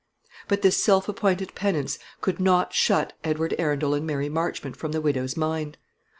But this self appointed penance could not shut Edward Arundel and Mary Marchmont from the widow's mind.